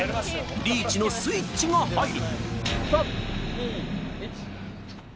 リーチのスイッチが入る。